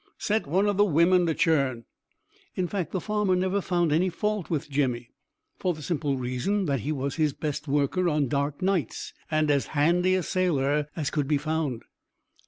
"Set one of the women to churn." In fact, the farmer never found any fault with Jemmy, for the simple reason that he was his best worker on dark nights, and as handy a sailor as could be found.